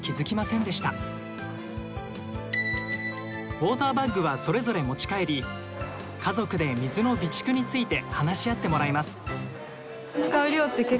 ウォーターバッグはそれぞれ持ち帰り家族で水の備蓄について話し合ってもらいます。